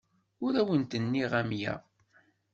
Ur awent-nniɣ amya.